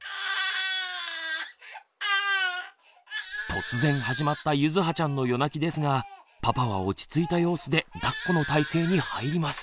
突然始まったゆずはちゃんの夜泣きですがパパは落ち着いた様子でだっこの態勢に入ります。